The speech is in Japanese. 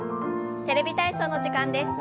「テレビ体操」の時間です。